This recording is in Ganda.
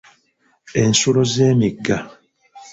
"Ensulo z'emigga,"